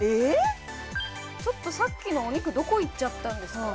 ちょっとさっきのお肉どこいっちゃったんですか？